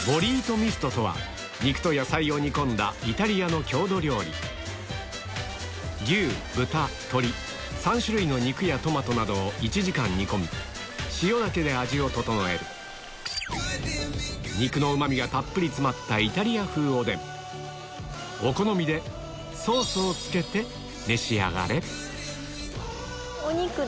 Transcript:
イタリアの郷土料理３種類の肉やトマトなどを１時間煮込み塩だけで味を調える肉のうま味がたっぷり詰まったイタリア風おでんお好みでソースをつけて召し上がれお肉だ。